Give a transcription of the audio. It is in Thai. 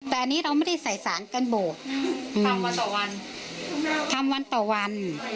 แต่อันนี้เราไม่ได้ใส่สารกันบูดทำวันต่อวัน